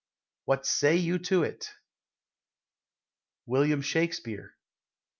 What say you to 't? _William Shakespeare.